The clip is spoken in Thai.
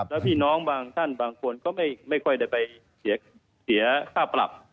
แล้วพี่น้องบางท่านบางคนก็ไม่ค่อยได้ไปเสียค่าปรับ